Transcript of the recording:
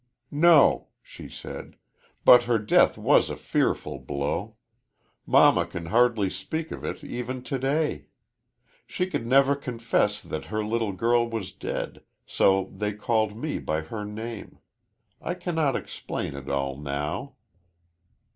"No," she said, "but her death was a fearful blow. Mamma can hardly speak of it even to day. She could never confess that her little girl was dead, so they called me by her name. I cannot explain it all now."